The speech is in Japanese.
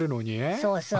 そうそう。